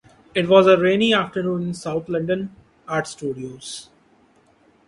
It was a rainy afternoon in South London, Art Studios.